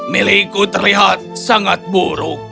milikku terlihat sangat buruk